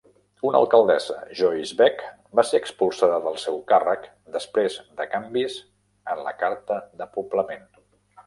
Una alcaldessa, Joyce Beck, va ser expulsada del seu càrrec després de canvis en la Carta de poblament.